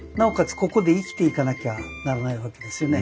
ここで生きていかなきゃならないわけですよね。